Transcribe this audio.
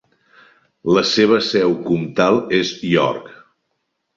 La seva seu comtal és York.